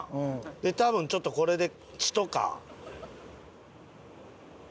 で多分ちょっとこれで血とか。